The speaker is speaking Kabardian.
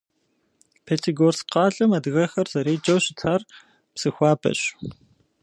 Пятигорск къалэм адыгэхэр зэреджэу щытар Псыхуабэщ.